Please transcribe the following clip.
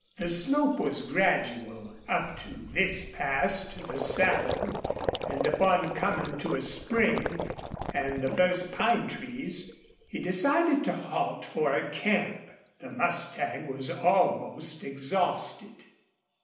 The slope was gradual up to this pass to the saddle, and upon coming to a spring, and the first pine trees, he decided to halt for a camp. The mustang was almost exhausted.